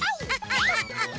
ハハハハ。